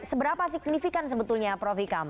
seberapa signifikan sebetulnya prof ikam